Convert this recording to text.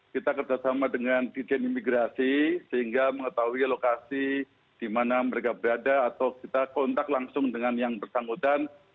kita kerjasama dengan dijen imigrasi sehingga mengetahui lokasi di mana mereka berada atau kita kontak langsung dengan yang bersangkutan